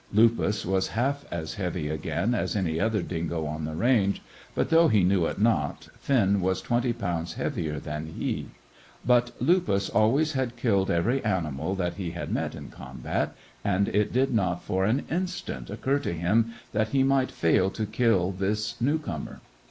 Lupus was half as heavy again as any other dingo on the range, but, though he knew it not, Finn was twenty pounds heavier than he. But Lupus always had killed every animal that he had met in combat, and it did not for an instant occur to him that he might fail to kill this new comer.